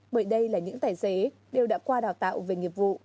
bởi đây là những tài xế đều đã qua đào tạo về nghiệp vụ